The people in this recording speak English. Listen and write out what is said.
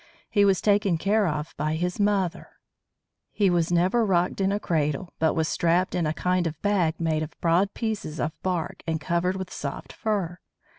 He was taken care of by his mother. He was never rocked in a cradle, but was strapped in a kind of bag made of broad pieces of bark and covered with soft fur.